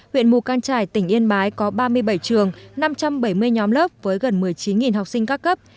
huyện mù căng trải tỉnh yên bái có ba mươi bảy trường năm trăm bảy mươi nhóm lớp với gần một mươi chín học sinh các cấp